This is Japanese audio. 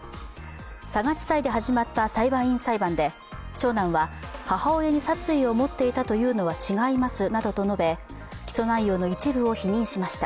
佐賀地裁で始まった裁判員裁判で長男は母親に殺意を持っていたというのは違いますなどと述べて、起訴内容の一部を否認しました。